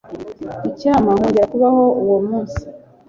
icyampa nkongera kubaho uwo munsi